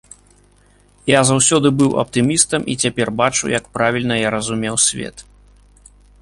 Я заўсёды быў аптымістам і цяпер бачу, як правільна я разумеў свет.